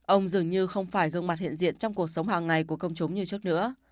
ông dường như không phải gương mặt hiện diện trong cuộc sống hàng ngày của công chúng như trước nữa